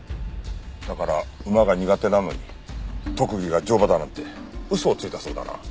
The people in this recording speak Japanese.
だから馬が苦手なのに特技が乗馬だなんて嘘をついたそうだな。